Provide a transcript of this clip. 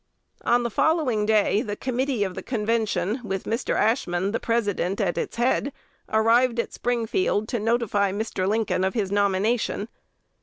On the following day the Committee of the Convention, with Mr. Ashmun, the president, at its head, arrived at Springfield to notify Mr. Lincoln of his nomination.